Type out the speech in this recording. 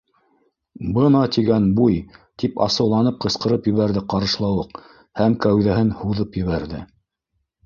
—Бына тигән буй! —тип асыуланып ҡысҡырып ебәрҙе Ҡарышлауыҡ һәм кәүҙәһен һуҙып ебәрҙе.